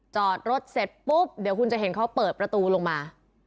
จอดรถเสร็จปุ๊บเดี๋ยวคุณจะเห็นเขาเปิดประตูลงมา